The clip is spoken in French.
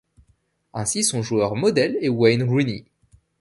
Ainsi, son joueur modèle est Wayne Rooney.